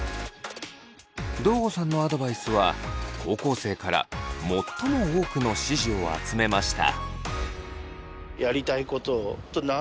堂後さんのアドバイスは高校生から最も多くの支持を集めました。